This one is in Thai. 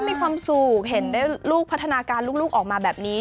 มีความสุขเห็นได้ลูกพัฒนาการลูกออกมาแบบนี้